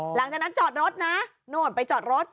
หลังจากนั้นจอดรถนะโน่นไปจอดรถ